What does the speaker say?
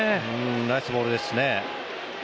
ナイスボールですね。